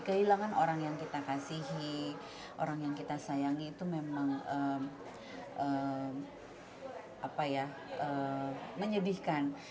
kehilangan orang yang kita kasihi orang yang kita sayangi itu memang menyedihkan